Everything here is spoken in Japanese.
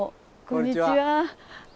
こんにちは。